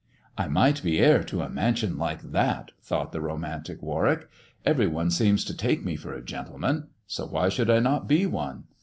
'' I might be heir to a mansion like that," thought the romantic Warwick. " Every one seems to take me for a gentleman ; so why should I not be one